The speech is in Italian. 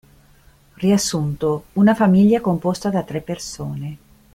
Riassunto: Una famiglia composta da tre persone.